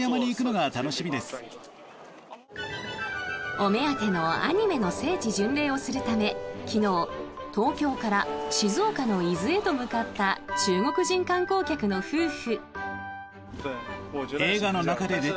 お目当てのアニメの聖地巡礼をするため昨日、東京から静岡の伊豆へと向かった中国人観光客の夫婦。